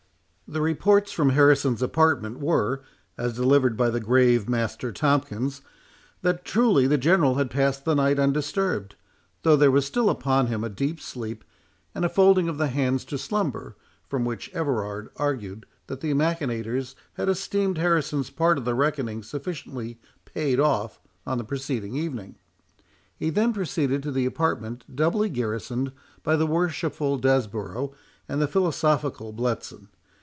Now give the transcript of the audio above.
The reports from Harrison's apartment were, as delivered by the grave Master Tomkins, that truly the General had passed the night undisturbed, though there was still upon him a deep sleep, and a folding of the hands to slumber; from which Everard argued that the machinators had esteemed Harrison's part of the reckoning sufficiently paid off on the preceding evening. He then proceeded to the apartment doubly garrisoned by the worshipful Desborough, and the philosophical Bletson.